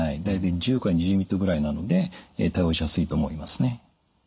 大体１０２０ｍＬぐらいなので対応しやすいと思いますね。